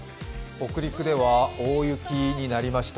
北陸では大雪になりました。